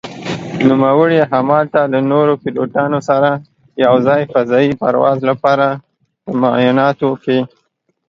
نوموړي هملته له نورو پيلوټانو سره يو ځاى فضايي پرواز لپاره په معايناتو کې